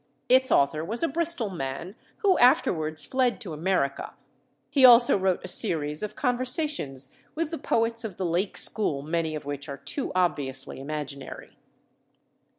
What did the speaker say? Its author was a Bristol man, who afterwards fled to America. He also wrote a series of Conversations with the poets of the Lake school, many of which are too obviously imaginary.